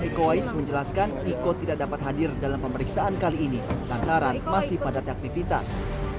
riko wais menjelaskan niko tidak dapat hadir dalam pemeriksaan kali ini lantaran masih padat aktivitas